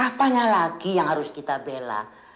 apanya lagi yang harus kita bela